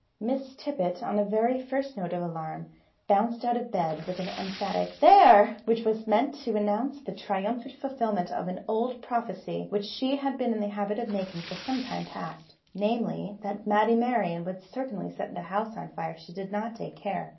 Miss Tippet, on the very first note of alarm, bounced out of bed with an emphatic "There!" which was meant to announce the triumphant fulfilment of an old prophecy which she had been in the habit of making for some time past; namely, that Matty Merryon would certainly set the house on fire if she did not take care!